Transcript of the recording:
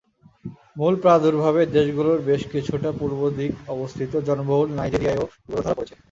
মূল প্রাদুর্ভাবের দেশগুলোর বেশ কিছুটা পূর্বদিক অবস্থিত জনবহুল নাইজেরিয়ায়ও ইবোলা ধরা পড়েছে।